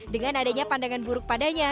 dengan adanya pandangan buruk padanya